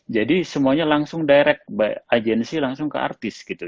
jadi semuanya langsung direct agensi langsung ke artis gitu